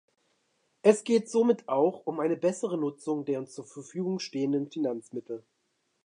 Es geht somit auch um eine bessere Nutzung der uns zur Verfügung stehenden Finanzmittel.